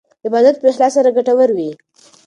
عبادت په اخلاص سره ګټور وي.